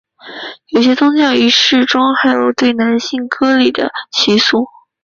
有些宗教仪式中还有对男性割礼的习俗。